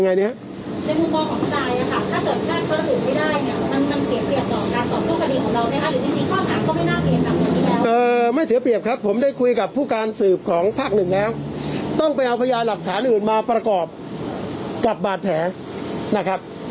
ไม่เสียเปรียบครับผมได้คุยกับผู้การสืบของภาคหนึ่งแล้วต้องไปเอาพยานหลักฐานอื่นมาประกอบกับบาดแผลนะครับ